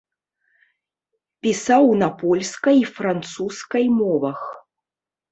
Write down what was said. Пісаў на польскай і французскай мовах.